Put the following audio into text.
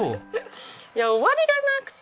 いや終わりがなくて。